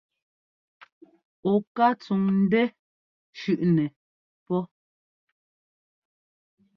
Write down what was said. Ɔ ká tsúŋ ńdɛ́ shʉʼnɛ pó.